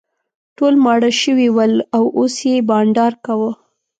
ټول ماړه شوي ول او اوس یې بانډار کاوه.